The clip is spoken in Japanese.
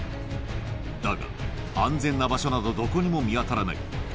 だが安全な場所などどこにも見当たらない。